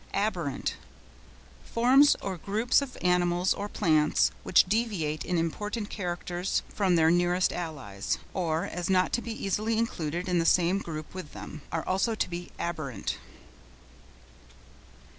ABERRANT.—Forms or groups of animals or plants which deviate in important characters from their nearest allies, so as not to be easily included in the same group with them, are said to be aberrant.